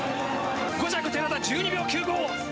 ５着、寺田１２秒９５。